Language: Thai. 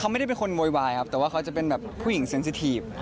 เขาไม่ได้เป็นคนโวยวายครับแต่ว่าเขาจะเป็นแบบผู้หญิงเซ็นสิทีฟ